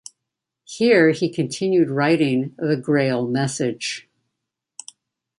Here he continued writing "The Grail Message".